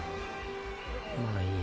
まあいいや。